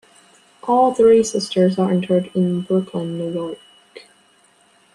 All three sisters are interred in Brooklyn, New York.